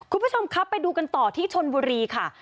คุณผู้ชมครับไปดูกันต่อที่ชนบุรีค่ะ